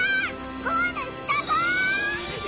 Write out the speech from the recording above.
ゴールしたぞ！